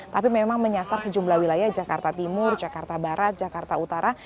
tapi memang menyasar sejumlah wilayah jakarta timur jakarta barat jakarta utara